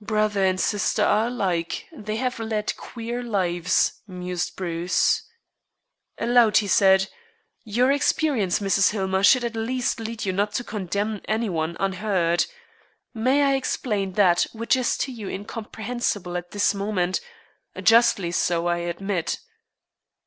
"Brother and sister are alike. They have led queer lives," mused Bruce. Aloud he said: "Your experience, Mrs. Hillmer, should at least lead you not to condemn any one unheard. May I explain that which is to you incomprehensible at this moment? justly so, I admit."